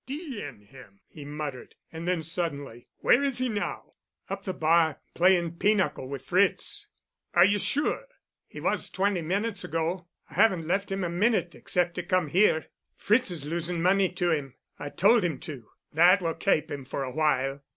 "D—n him!" he muttered. And then suddenly, "Where is he now?" "Up the bar playing pinochle with Fritz." "Are you sure?" "He was twenty minutes ago. I haven't left him a minute except to come here. Fritz is losin' money to him. I told him to. That will kape him for a while."